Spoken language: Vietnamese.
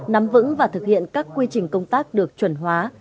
nắm vững và thực hiện các quy trình công tác được chuẩn hóa